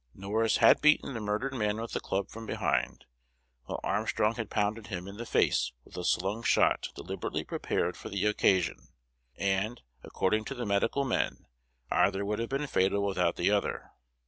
Norris had beaten the murdered man with a club from behind, while Armstrong had pounded him in the face with a slung shot deliberately prepared for the occasion; and, according to the medical men, either would have been fatal without the other.